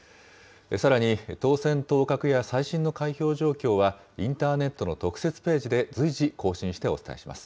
さらに当選・当確や最新の開票状況は、インターネットの特設ページで随時更新してお伝えします。